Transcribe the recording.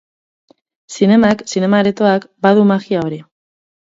Zinemak, zinema aretoak, badu magia hori.